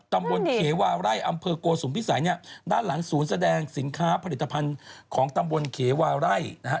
ตำบลเขวาไร่อำเภอโกสุมพิสัยเนี่ยด้านหลังศูนย์แสดงสินค้าผลิตภัณฑ์ของตำบลเขวาไร่นะฮะ